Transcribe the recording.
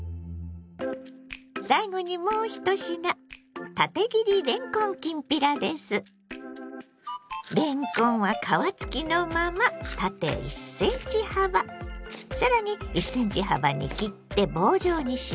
最後にもう１品れんこんは皮付きのまま縦１ｃｍ幅さらに１ｃｍ幅に切って棒状にします。